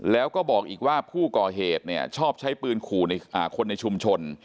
แล้วก็บอกอีกว่าผู้ก่อเหตุชอบใช้ปืนขู่คนในชุมชน